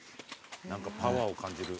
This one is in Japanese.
何かパワーを感じる。